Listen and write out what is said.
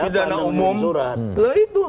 kepada siapa yang mengirim surat